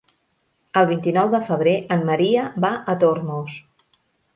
El vint-i-nou de febrer en Maria va a Tormos.